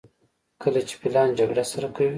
کله چې فیلان جګړه سره کوي.